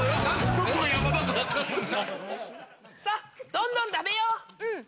さぁどんどん食べよう。